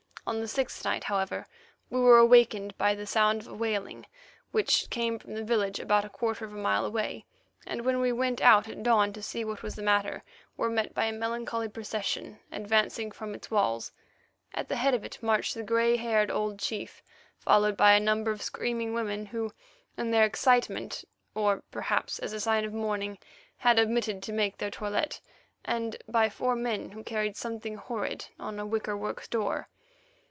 On the sixth night, however, we were awakened by a sound of wailing, which came from the village about a quarter of a mile away, and when we went out at dawn to see what was the matter, were met by a melancholy procession advancing from its walls. At the head of it marched the grey haired old chief, followed by a number of screaming women, who in their excitement, or perhaps as a sign of mourning, had omitted to make their toilette, and by four men, who carried something horrid on a wickerwork door.